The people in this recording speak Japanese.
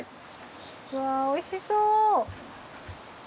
わぁおいしそう。